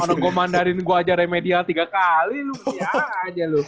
kalau gue mandarin gue ajar remedial tiga kali lu beli aja lu